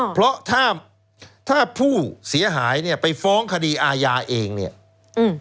เพราะถ้าถ้าผู้เสียหายเนี่ยไปฟ้องคดีอาญาเองเนี่ยอืม